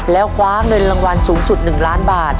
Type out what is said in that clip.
แล้วคว้าเงินรางวัลสูงสุด๑ล้านบาท